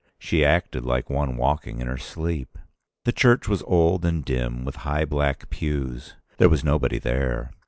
She acted like one walking in her sleep. The church was old and dim, with high black pews. There was nobody there.